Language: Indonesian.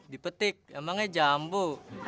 dipetik emangnya jambu